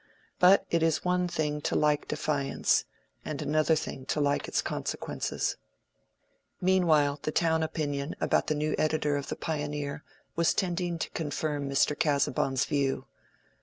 But it is one thing to like defiance, and another thing to like its consequences. Meanwhile, the town opinion about the new editor of the "Pioneer" was tending to confirm Mr. Casaubon's view.